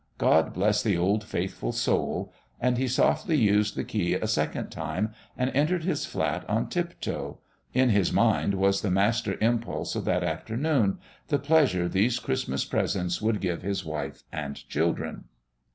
God bless the old faithful soul." And he softly used the key a second time and entered his flat on tiptoe.... In his mind was the master impulse of that afternoon the pleasure these Christmas presents would give his wife and children....